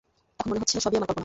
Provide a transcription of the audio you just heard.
এখন মনে হচ্ছে, সবই আমার কল্পনা।